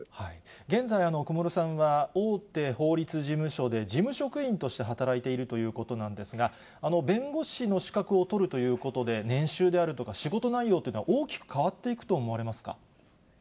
現在、小室さんは大手法律事務所で事務職員として働いているということなんですが、弁護士の資格を取るということで、年収であるとか、仕事内容というのは、大きく変わっていくと思われますか。